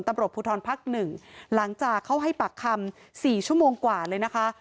ตำรวจภูทรภักดิ์๑หลังจากเขาให้ปากคำ๔ชั่วโมงกว่าเลยนะคะ